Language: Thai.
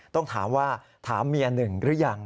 ต้องถามว่าถามเมียหนึ่งหรือยัง